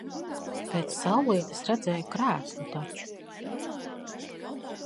Pēc saulrieta es redzēju krēslu taču.